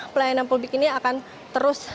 pelayanan publik ini akan terus